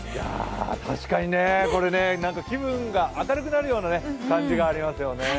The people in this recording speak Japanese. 確かにね、これね気分が明るくなるような感じがありますよね。